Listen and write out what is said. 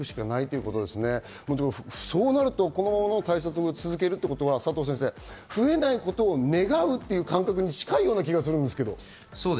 そうなると、このままの対策を続けるということは増えないことを願うという感覚に近い感じがするんですけれど。